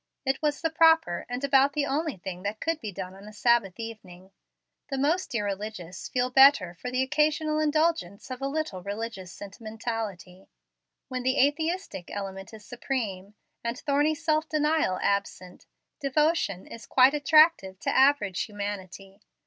It was the proper, and about the only thing that could be done on a Sabbath evening. The most irreligious feel better for the occasional indulgence of a little religious sentimentality. When the aesthetic element is supreme, and thorny self denial absent, devotion is quite attractive to average humanity.